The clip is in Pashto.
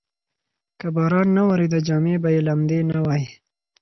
که باران نه وریده، جامې به یې لمدې نه وای.